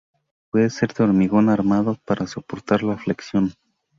Puede ser de hormigón armado, para soportar la flexión.